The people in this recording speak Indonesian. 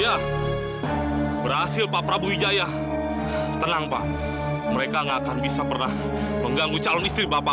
ya berhasil pak prabu wijaya tenang pak mereka nggak akan bisa pernah mengganggu calon istri bapak